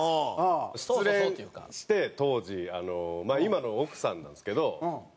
失恋して当時まあ今の奥さんなんですけど。